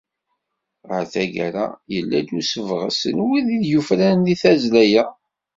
Ɣer taggara, yella-d usebɣes n wid i d-yufraren deg tazzla-a.